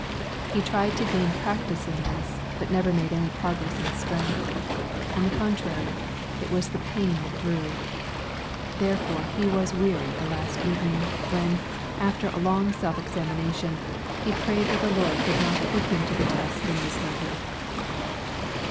He tried to gain practice in this, but never made any progress in strength; on the contrary, it was the pain that grew. Therefore he was weary the last evening, when, after a long self examination, he prayed that the Lord would not put him to the test in this matter.